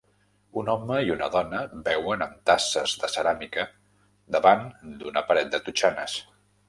Un home i una dona beuen amb tasses de ceràmica davant d'una paret de totxanes.